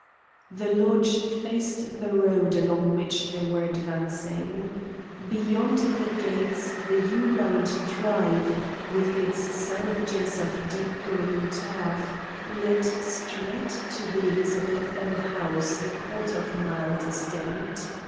The lodge faced the road along which they were advancing. Beyond the gates the yew lined drive, with its selvages of deep green turf, led straight to the Elizabethan house a quarter of a mile distant.